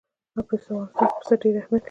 په افغانستان کې پسه ډېر اهمیت لري.